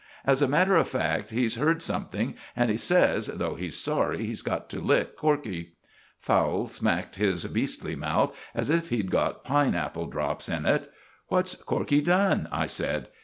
"As a matter of fact, he's heard something, and he says, though he's sorry, he's got to lick Corkey." Fowle smacked his beastly mouth as if he'd got pine apple drops in it. "What's Corkey done?" I said.